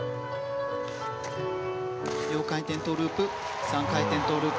４回転トウループ３回転トウループ。